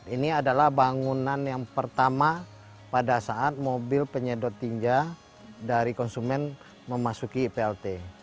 ini adalah bangunan yang pertama pada saat mobil penyedot tinja dari konsumen memasuki plt